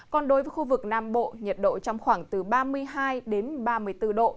còn đối với khu vực nam bộ nhiệt độ trong khoảng từ ba mươi hai đến ba mươi bốn độ